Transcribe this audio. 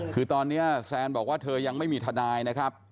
คือตอนนี้แซนบอกว่าเธอยังไม่มีทนายนะครับ